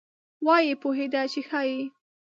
وایي پوهېده چې ښایي.